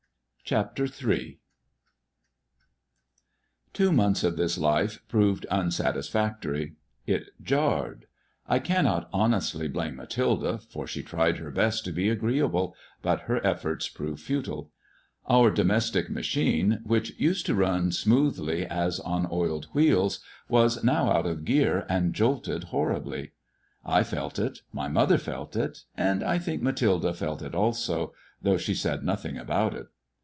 CHAPTEK III TWO months of this life proved unsatisfactory. It jarred. I cannot honestly blame Mathilde, for she tried her best to be agreeable, but her efforts proved futile. Our domestic machine, that used to run smoothly as on oiled wheels, was now out of gear and jolted horribly. I felt it, my mother felt it, and I think Mathilde felt it also, though she said nothing about it.